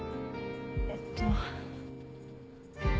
えっと。